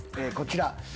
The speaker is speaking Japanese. こちら。